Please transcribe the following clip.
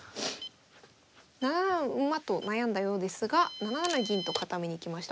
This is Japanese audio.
７七馬と悩んだようですが７七銀と固めに行きました。